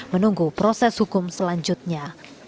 menunggu proses hukum selanjutnya